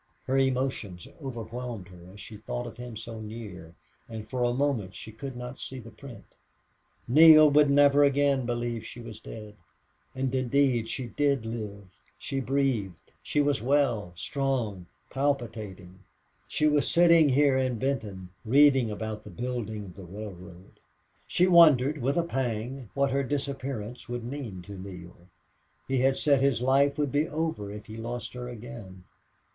Her emotions overwhelmed her as she thought of him so near, and for a moment she could not see the print. Neale would never again believe she was dead. And indeed she did live! She breathed she was well, strong, palpitating. She was sitting here in Benton, reading about the building of the railroad. She wondered with a pang what her disappearance would mean to Neale. He had said his life would be over if he lost her again.